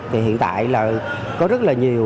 thì hiện tại là có rất là nhiều